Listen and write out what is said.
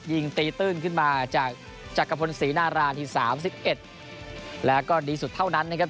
ยิงตีตื้นขึ้นมาจากจักรพลศรีนาราธิสามสิบเอ็ดแล้วก็ดีสุดเท่านั้นนะครับ